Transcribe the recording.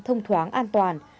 thông thoáng an toàn